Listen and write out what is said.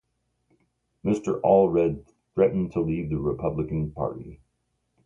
Mr. Allred threatened to leave the Republican Party.